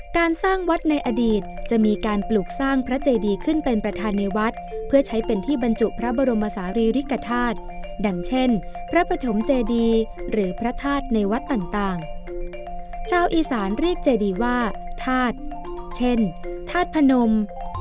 การสร้างวัดในอดีตจะมีการปลูกสร้างพระเจดีขึ้นเป็นประธานในวัดเพื่อใช้เป็นที่บรรจุพระบรมสาริริกฏาธร